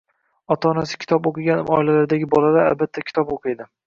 Ota-onasi kitob o‘qigan oiladagi bolalar, albatta, kitob o‘qiydi.